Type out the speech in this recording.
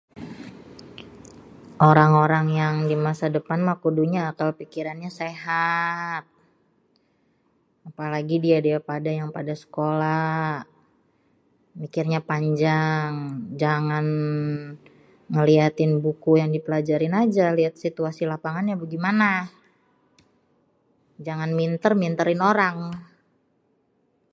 orang-orang yang dimasadepan mah kudunyê akal pikirannyê sehat apalagi dia-dia pada yang pada sekolah mikirnya panjang jangan ngèliatin buku yang dipelajarin aja liat situasi lapanagnnya bégimana jangan mintêr mintêrin orang.